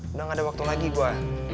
udah gak ada waktu lagi gue